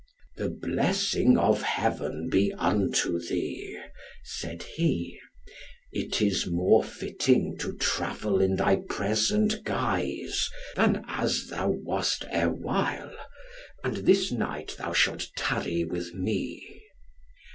"The blessing of Heaven be unto thee," said he, "it is more fitting to travel in thy present guise, than as thou wast erewhile; and this night thou shalt tarry with me."